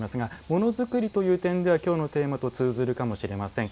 ものづくりという点では今日のテーマと通ずるかもしれません。